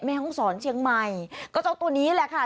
แม่ห้องศรเชียงใหม่ก็เจ้าตัวนี้แหละค่ะ